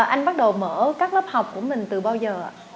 anh bắt đầu mở các lớp học của mình từ bao giờ